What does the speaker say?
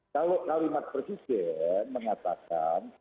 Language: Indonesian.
kalau kalimat presiden mengatakan